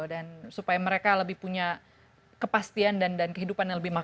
dan supaya mereka lebih punya kepastian dan kehidupan yang lebih baik